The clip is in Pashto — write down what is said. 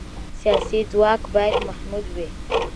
سیاسي ځواک باید محدود وي